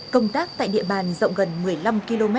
công tác tại địa bàn rộng gần một mươi năm km